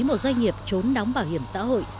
một doanh nghiệp trốn đóng bảo hiểm xã hội